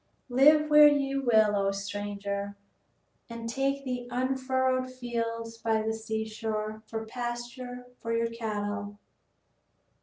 Live where you will, O stranger, and take the unfurrowed fields by the seashore for pasture for your cattle."